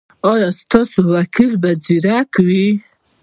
ایا ستاسو وکیل به زیرک وي؟